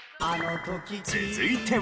続いては。